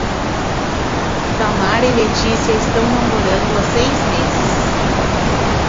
Samara e Letícia estão namorando há seis meses